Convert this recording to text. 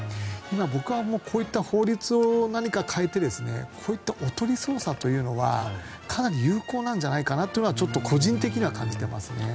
僕はこういった法律を何か変えてこういったおとり捜査というのはかなり有効なんじゃないかなというのは個人的には感じてますね。